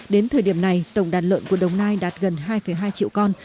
đến thời điểm này tổng đàn lợn của đồng nai đạt gần hai hai triệu con